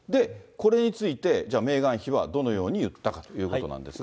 これについて、じゃあ、メーガン妃は、どのように言ったかということなんですが。